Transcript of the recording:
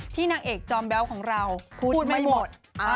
นางเอกจอมแบ๊วของเราพูดไม่หมด